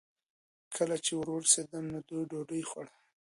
کله چې ور ورسېدم، نو دوی ډوډۍ خوړه.